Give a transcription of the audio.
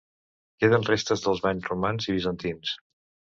Queden restes dels banys romans i bizantins.